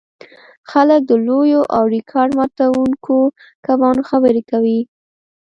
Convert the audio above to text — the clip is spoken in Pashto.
خلک د لویو او ریکارډ ماتوونکو کبانو خبرې کوي